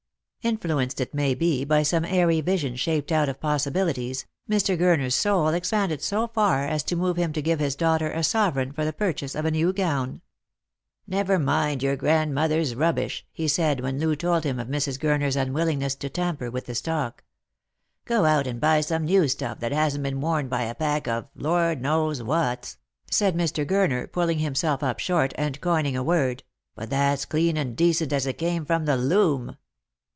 Influenced, it may be, by some airy vision shaped out of pos sibilities, Mr. Gurner's soul expanded so far as to move him to give his daughter a sovereign for the purchase of a new gown. " Never mind your grandmother's rubbish," he said, when Loo told him of Mrs. Gurner's unwillingness to " tamper with the stock." " Go out and buy some new stuff that hasn't been worn by a pack of — Lord knows whats," said Mr. Gurner, pulling himself up short and coining a word, " but that's clean and decent as it came from the loom."